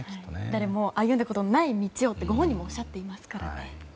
誰も歩んだことがない道をとご本人もおっしゃっていますからね。